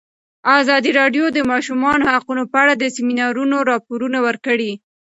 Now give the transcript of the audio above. ازادي راډیو د د ماشومانو حقونه په اړه د سیمینارونو راپورونه ورکړي.